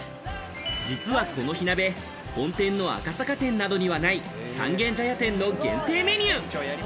実はこの火鍋、本店の赤坂店などにはない三軒茶屋店の限定メニュー。